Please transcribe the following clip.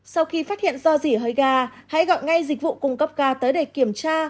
sau khi phát hiện do gì hơi ga hãy gọi ngay dịch vụ cung cấp ga tới để kiểm tra